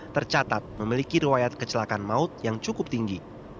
tercatat memiliki riwayat kecelakaan maut yang cukup tinggi